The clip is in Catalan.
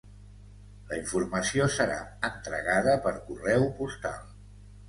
La informació serà entregada per correu postal.